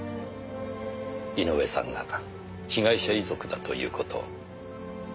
井上さんが被害者遺族だということを。